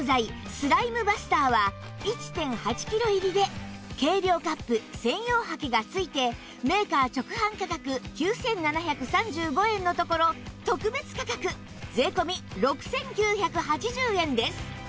スライムバスターは １．８ キロ入りで計量カップ専用ハケが付いてメーカー直販価格９７３５円のところ特別価格税込６９８０円です